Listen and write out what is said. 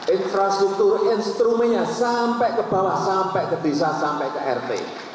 infrastruktur instrumennya sampai ke bawah sampai ke desa sampai ke rt